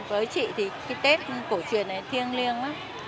với chị thì cái tết cổ truyền này thiêng liêng